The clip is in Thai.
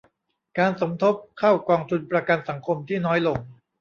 การสมทบเข้ากองทุนประกันสังคมที่น้อยลง